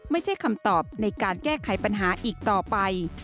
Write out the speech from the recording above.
ไม่ใช่คำตอบในการแก้ไขปัญหาอีกต่อไป